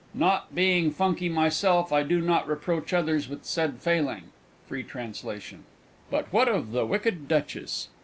("Not being funky myself, I do not reproach others with said failing" free translation.) But what of the wicked Duchess?